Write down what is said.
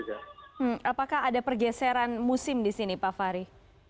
apakah ada pergeseran musim di sini pak fahri